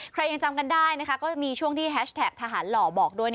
ยังจำกันได้นะคะก็มีช่วงที่แฮชแท็กทหารหล่อบอกด้วย